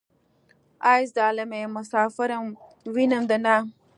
ای ظالمې مسافر يم وينم دې نه.